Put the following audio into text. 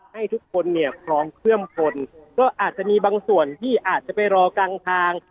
ให้ทุกคนเนี่ยพร้อมเชื่อมคนก็อาจจะมีบางส่วนที่อาจจะไปรอกลางทาง